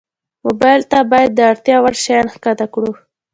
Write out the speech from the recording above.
موبایل ته باید د اړتیا وړ شیان ښکته کړو.